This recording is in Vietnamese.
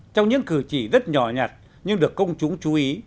trong những cử chỉ rất nhỏ nhặt nhưng được công chúng chú ý